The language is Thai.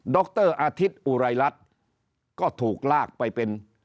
รอาทิตย์อุไรรัฐก็ถูกลากไปเป็น